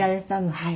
はい。